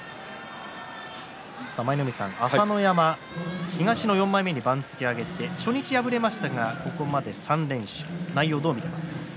舞の海さん、朝乃山東の４枚目に番付を上げて初日敗れましたがここまで３連勝内容をどう見ていますか？